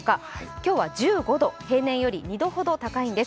今日は１５度、平年より２度ほど高いんです。